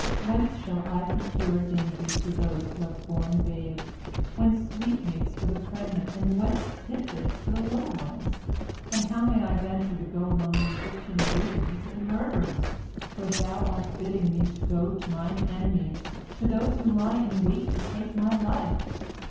Whence shall I procure dainties for those who have borne babes, whence sweetmeats for the pregnant, and whence tidbits for the little ones? And how may I venture to go among the Egyptian brigands and murderers? for Thou art bidding me to go to mine enemies, to those who lie in wait to take my life.